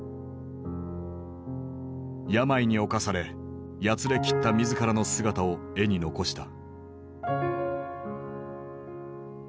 病に侵されやつれきった自らの姿を絵に残した。